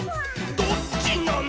どっちなの！